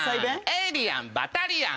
「『エイリアン』『バタリアン』」